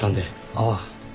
ああ。